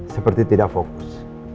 seperti tidak fokus